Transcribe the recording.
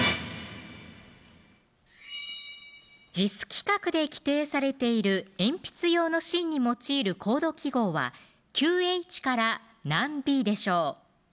ＪＩＳ規格で規定されている鉛筆用の芯に用いる硬度記号は９Ｈから何Ｂでしょう